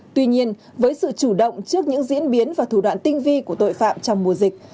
tuy nhiên với sự chủ động trước những diễn biến và thủ đoạn tinh vi của tội phạm trong mùa dịch